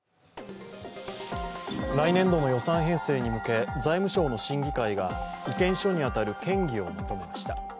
来年度の予算編成に向け、財務省の審議会が意見書にあたる建議をまとめました。